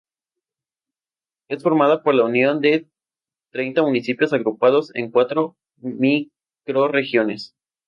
Es formada por la unión de treinta municipios agrupados en cuatro microrregiones.